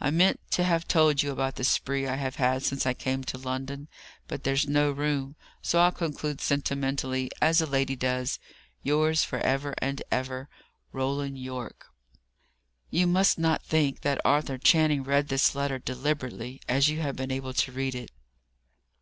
"I meant to have told you about a spree I have had since I came to London, but there's no room, so I'll conclude sentimentally, as a lady does," "Yours for ever and ever," "ROLAND YORKE." You must not think that Arthur Channing read this letter deliberately, as you have been able to read it.